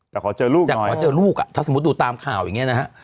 แต่ขอเจอลูกอยากขอเจอลูกอ่ะถ้าสมมุติดูตามข่าวอย่างนี้นะฮะ